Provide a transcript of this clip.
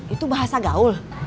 itu bahasa gaul